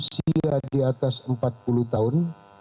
usia di atas empat puluh tahun